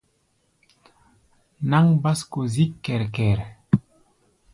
Náŋ básko zík kɛr-kɛr.